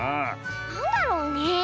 なんだろうねえ。